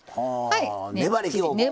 はい。